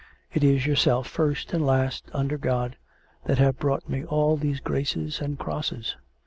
It is yourself, first and last, under God, that have brought me all these graces and crosses.